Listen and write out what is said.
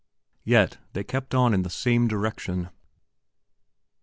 Yet they kept on in the same direction.